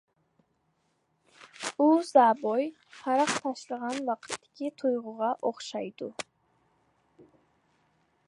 ئۇ، زابوي ھاراق تاشلىغان ۋاقىتتىكى تۇيغۇغا ئوخشايدۇ.